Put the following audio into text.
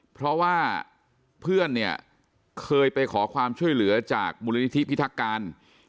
เพราะว่าเพื่อนเนี่ยเคยไปขอความช่วยเหลือจากมูลนิธิพิทักการ